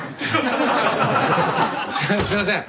すいません。